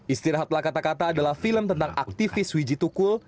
istirahatlah kata kata adalah film tentang aktivis wijitukul